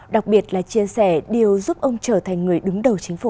đặc biệt là chia sẻ điều giúp ông trở thành người đứng đầu chính phủ